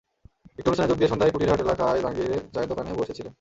একটি অনুষ্ঠানে যোগ দিয়ে সন্ধ্যায় কুটিরহাট এলাকায় জাহাঙ্গীরের চায়ের দোকানে বসে ছিলেন।